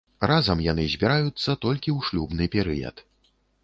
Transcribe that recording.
Разам яны збіраюцца толькі ў шлюбны перыяд.